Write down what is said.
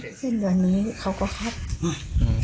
สิ้นเดือนนี้เขาก็คัดมา